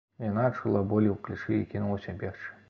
Яна адчула боль у плячы і кінулася бегчы.